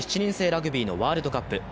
ラグビーのワールドカップ。